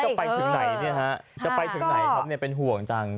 ไปถึงไหนเนี่ยฮะจะไปถึงไหนครับเนี่ยเป็นห่วงจัง